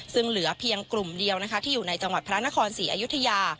ซึ่งเหลือเพียงกลุ่มเดียวนะคะที่อยู่ในจังหวัดพระนครศรีอยุธยา